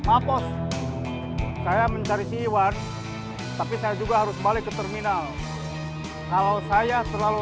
apa saya mencari siwan tapi saya juga harus balik ke terminal kalau saya terlalu